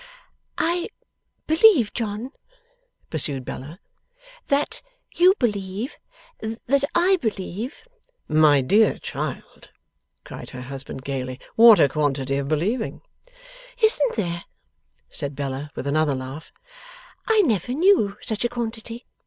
'I believe, John,' pursued Bella, 'that you believe that I believe ' 'My dear child,' cried her husband gaily, 'what a quantity of believing!' 'Isn't there?' said Bella, with another laugh. 'I never knew such a quantity!